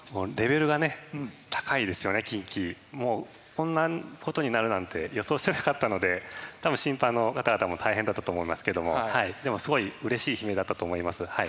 こんなことになるなんて予想してなかったので多分審判の方々も大変だったと思いますけどもでもすごいうれしい悲鳴だったと思います。